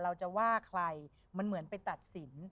เวลาเรารู้สึกเหมือนจะว่าไปตัดสิน